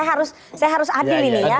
saya harus adil ini ya